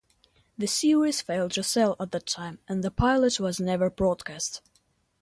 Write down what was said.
The series failed to sell at that time and the pilot was never broadcast.